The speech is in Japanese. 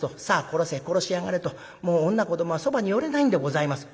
殺せ殺しやがれともう女子どもはそばに寄れないんでございます」。